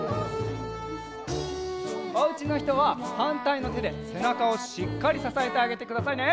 おうちのひとははんたいのてでせなかをしっかりささえてあげてくださいね。